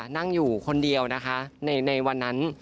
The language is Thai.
นั่งอยู่คนเดียวนะคะในวันนั้น